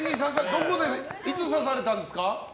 どこで、いつ刺されたんですか？